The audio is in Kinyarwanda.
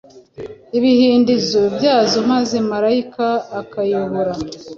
ibihindizo byazo maze marayika akayobora